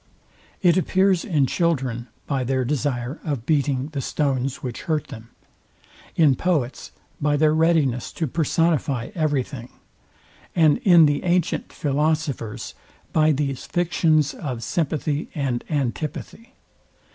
It appears in children, by their desire of beating the stones, which hurt them: In poets, by their readiness to personify every thing: And in the antient philosophers, by these fictions of sympathy and antipathy.